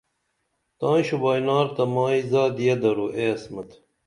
تائیں شوبائنار تہ مائی زادیہ درو اے عصمت